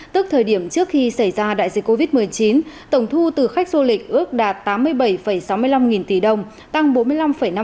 tức thời điểm trước khi xảy ra đại dịch covid một mươi chín tổng thu từ khách du lịch ước đạt tám mươi bảy sáu mươi năm nghìn tỷ đồng tăng bốn mươi năm năm so với năm hai nghìn một mươi chín